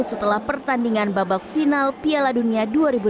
setelah pertandingan babak final piala dunia dua ribu tujuh belas